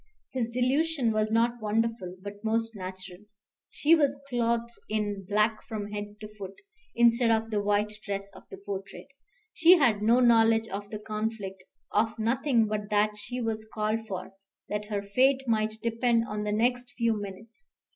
His delusion was not wonderful, but most natural. She was clothed in black from head to foot, instead of the white dress of the portrait. She had no knowledge of the conflict, of nothing but that she was called for, that her fate might depend on the next few minutes.